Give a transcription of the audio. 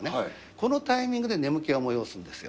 このタイミングで眠気を催すんですよ。